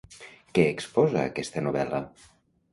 Què exposa aquesta novel·la?